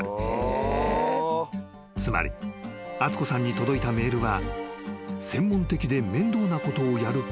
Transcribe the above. ［つまり敦子さんに届いたメールは］